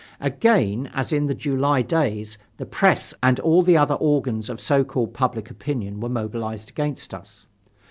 Again, as in the July days, the press and all the other organs of so called public opinion were mobilized against us.